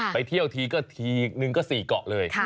ไปเที่ยวทีก็ทีนึงก็๔เกาะเลย